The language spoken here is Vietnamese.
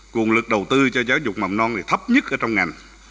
nguồn lực đầu tư cho giáo dục mầm non thì thấp nhất ở trong ngành